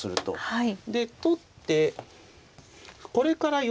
はい。